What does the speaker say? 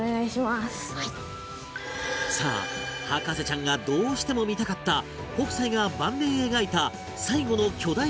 さあ博士ちゃんがどうしても見たかった北斎が晩年描いた最期の巨大作品とは？